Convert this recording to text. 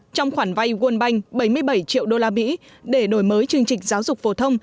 trong khoản vay nguồn banh bảy mươi bảy triệu đô la mỹ để đổi mới chương trình giáo dục phổ thông